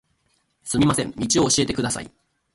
すみません、道を教えてください。